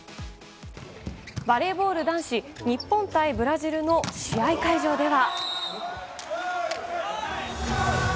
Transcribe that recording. バレーボール男子日本対ブラジルの試合会場では。